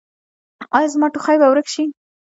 ایا زما ټوخی به ورک شي؟